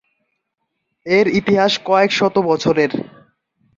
এর ইতিহাস কয়েক শত বছরের।